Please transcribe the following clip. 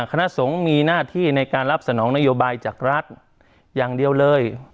คณะสงฆ์มีหน้าที่ในการรับสนองนโยบายจากรัฐอย่างเดียวเลย